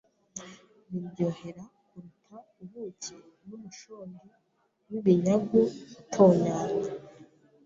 biryohera kuruta ubuki n’umushongi w’ibinyagu utonyanga